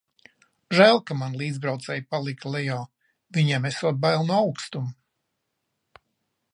Žēl, ka mani līdzbraucēji palika lejā - viņiem esot bail no augstuma.